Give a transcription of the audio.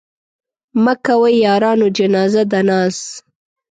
مه کوئ يارانو جنازه د ناز